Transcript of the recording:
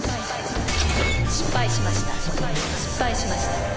失敗しました。